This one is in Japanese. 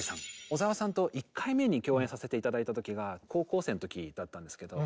小澤さんと１回目に共演させて頂いた時が高校生の時だったんですけど。